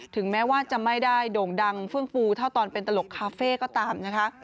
ถึงแม้ว่าจะไม่ได้โด่งดังเฟื่องฟูเท่าตอนเป็นตลกคาเฟ่ก็ตามนะคะ